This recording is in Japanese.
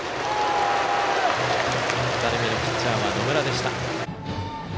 ２人目のピッチャーは野村でした。